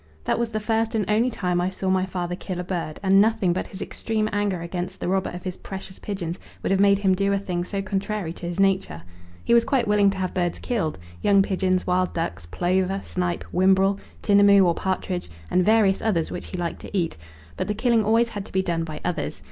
That was the first and only time I saw my father kill a bird, and nothing but his extreme anger against the robber of his precious pigeons would have made him do a thing so contrary to his nature. He was quite willing to have birds killed young pigeons, wild ducks, plover, snipe, whimbrel, tinamou or partridge, and various others which he liked to eat but the killing always had to be done by others.